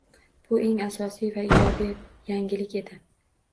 Bu eng asosiy va ijobiy yangilik edi